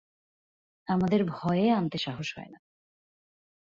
আমাদের ভয়ে আনতে সাহস হয় না।